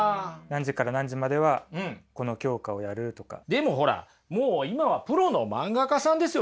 でもほらもう今はプロの漫画家さんですよ